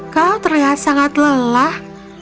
kau terlihat sangat lelah